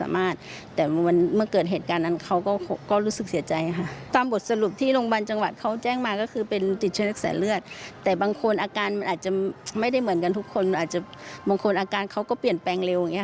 ไม่ได้เหมือนกันทุกคนมงคลอาการเขาก็เปลี่ยนแปลงเร็ว